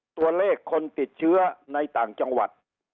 ตัวเลขคนติดเชื้อในต่างจังหวัด